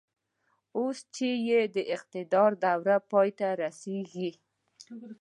اوس چې يې د اقتدار دوره پای ته رسېږي.